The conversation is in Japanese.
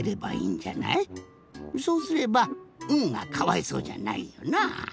そうすれば「ん」がかわいそうじゃないよな。